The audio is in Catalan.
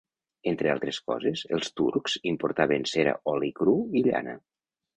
Entre altres coses, els turcs importaven cera, oli cru i llana.